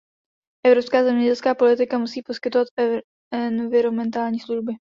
Evropská zemědělská politika musí poskytovat environmentální služby.